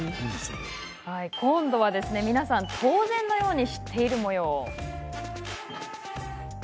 今度は皆さん当然のように知っているもよう。